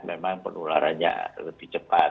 memang penularannya lebih cepat